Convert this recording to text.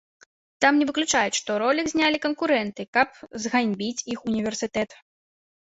Там не выключаюць, што ролік знялі канкурэнты, каб зганьбіць іх універсітэт.